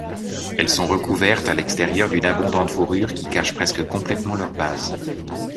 Elles sont recouvertes à l’extérieur d’une abondante fourrure qui cache presque complètement leur base.